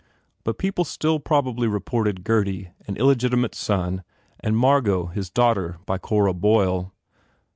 But people still probably reported Gurdy an illegitimate son and Margot his daughter by Cora Boyle.